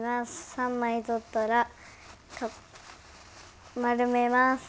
３枚取ったら丸めます。